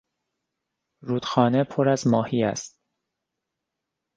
رودخانه پر از ماهی است.